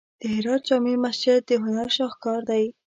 د هرات جامع مسجد د هنر شاهکار دی.